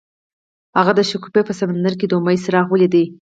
هغه د شګوفه په سمندر کې د امید څراغ ولید.